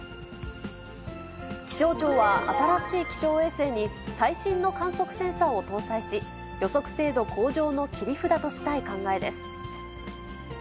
気象庁は、新しい気象衛星に最新の観測センサーを搭載し、予測精度向上の切り札としたい考えです。